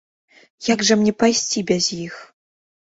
Як жа мне пайсці без іх?